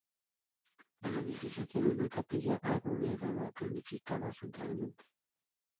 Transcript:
El edificio tiene una capilla abovedada, planificada centralmente.